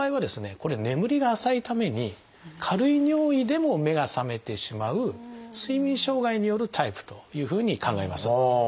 これ眠りが浅いために軽い尿意でも目が覚めてしまう睡眠障害によるタイプというふうに考えます。